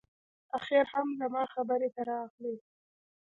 اخیر هم زما خبرې ته راغلې